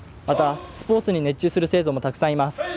また、スポーツに熱中する生徒もたくさんいます。